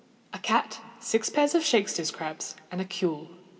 A cat, six pair of shakester's crabs, and a cule.